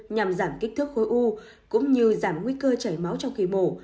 nhằm giảm kích thước khối u cũng như giảm nguy cơ chảy máu trong khi mổ